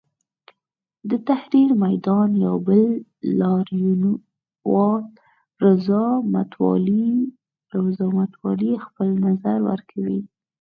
د تحریر میدان یو بل لاریونوال رضا متوالي خپل نظر ورکوي.